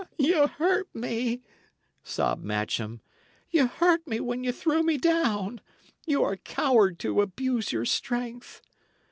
"Ye hurt me," sobbed Matcham. "Ye hurt me when ye threw me down. Y' are a coward to abuse your strength."